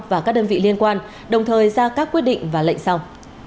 và các đơn vị liên quan đồng thời ra các quyết định và lệnh sau